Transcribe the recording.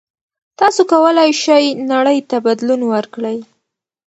تاسو کولای شئ نړۍ ته بدلون ورکړئ.